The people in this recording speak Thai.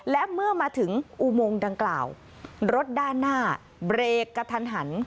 และเมื่อมาถึงอุโมงดังกล่าวรถด้านหน้าเบรกกระทันหัน